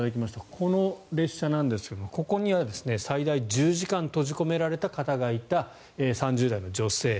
この列車なんですがここには最大１０時間閉じ込められた方がいた３０代の女性。